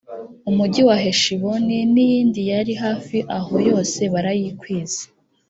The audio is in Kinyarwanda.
umugi wa heshiboni n’iyindi yari hafi aho yose barayikwiza.